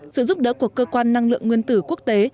sự giúp đỡ của cơ quan năng lượng nguyên tử quốc tế